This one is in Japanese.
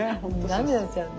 涙が出ちゃうね。